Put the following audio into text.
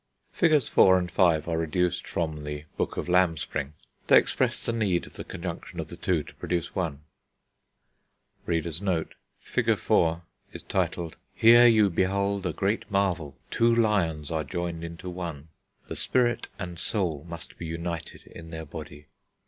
Figs. IV. and V. are reduced from The Book of Lambspring; they express the need of the conjunction of two to produce one. [Illustration: Here you behold a great marvel Two Lions are joined into one. The spirit and soul must be united in their body.